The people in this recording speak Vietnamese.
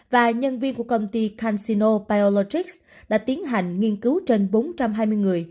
và nhân viên của công ty cansino piallotics đã tiến hành nghiên cứu trên bốn trăm hai mươi người